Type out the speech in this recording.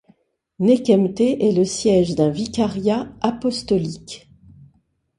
Nekemte est le siège d'un vicariat apostolique.